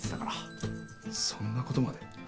そんなことまで。